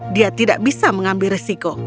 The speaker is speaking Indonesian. dia tidak bisa mengambil resiko